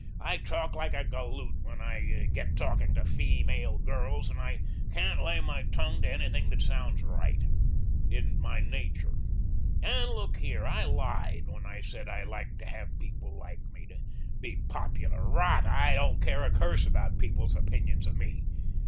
I talk like a galoot when I get talking to feemale girls and I can't lay my tongue to anything that sounds right. It isn't my nature. And look here, I lied when I said I liked to have people like me to be popular. Rot! I don't care a curse about people's opinions of me.